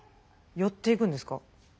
寄っていくんですか？